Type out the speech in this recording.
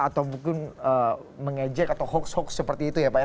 atau mungkin mengejek atau hoax hoax seperti itu ya pak ya